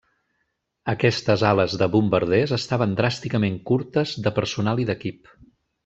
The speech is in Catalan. Aquestes ales de bombarders estaven dràsticament curtes de personal i d'equip.